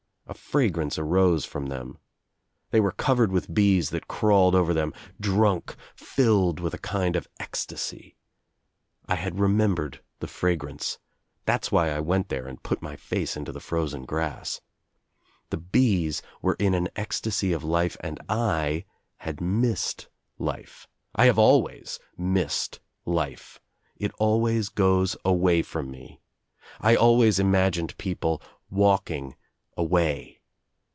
A fragrance arose from them. They were covered with bees that crawled over (h^m, drunk, filled with a kind of ecstacy. I had remembered the fragrance. That's why I went there and put my face into the frozen grass. The bees were in an ecstasy of life and I had missed life. I have always missed life. It always goes away from me. I always im agined people walking away.